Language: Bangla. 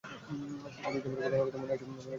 সিরাকিউজের ঘটনার কথা মনে আছে তোমার, তাই না?